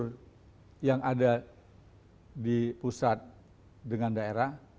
kemudian struktur yang ada di pusat dengan daerah